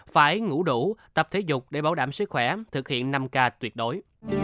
phải ngủ đủ tập thể dục để bảo đảm sức khỏe thực hiện năm k tuyệt đối